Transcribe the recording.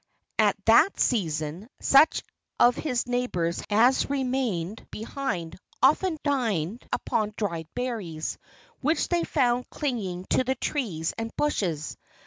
At that season, such of his neighbors as remained behind often dined upon dried berries, which they found clinging to the trees and bushes.